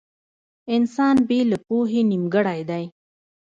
• انسان بې له پوهې نيمګړی دی.